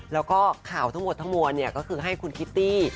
แล้วก็ข่าวทั้งหมดทั้งมวลก็คือให้คุณคิตตี้